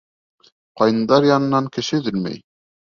Ҡайындар янынан кеше өҙөлмәй.